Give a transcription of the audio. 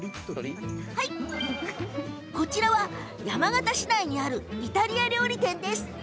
こちらは山形市内にあるイタリア料理店です。